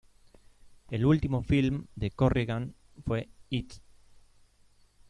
El último film de Corrigan fue "It!